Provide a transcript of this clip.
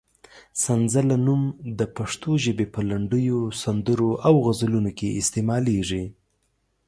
سنځله نوم د پښتو ژبې په لنډیو، سندرو او غزلونو کې استعمالېږي.